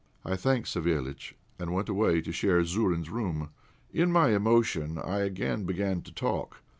I thanked Savéliitch, and went away to share Zourine's room. In my emotion I again began to talk.